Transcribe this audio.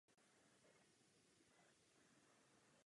Je zde vyhlášen přírodní park a vyskytují se zde chráněné druhy rostlin.